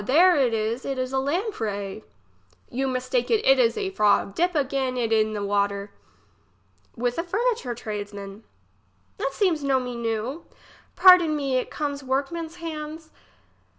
there is, it is a lamprey. You mistake you, it is a frog ! dip again it in the water. fTith a furniture tradesman. It seems no me new. Pardon me, it comes workman's hands.